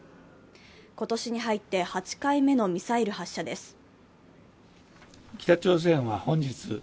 今年に入って８回目のミサイル発射です。